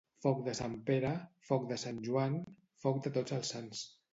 Foc de Sant Pere, foc de Sant Joan, foc de tots els sants.